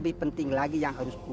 baik kakek guru